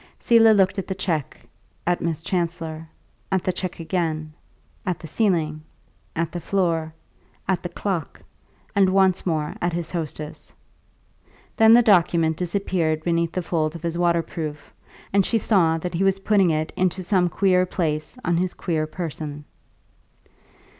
Selah looked at the cheque, at Miss Chancellor, at the cheque again, at the ceiling, at the floor, at the clock, and once more at his hostess; then the document disappeared beneath the folds of his waterproof, and she saw that he was putting it into some queer place on his queer person.